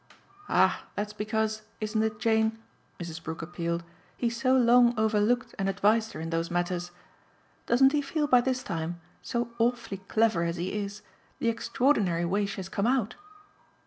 "Ah that's because isn't it, Jane?" Mrs. Brook appealed "he so long overlooked and advised her in those matters. Doesn't he feel by this time so awfully clever as he is the extraordinary way she has come out?"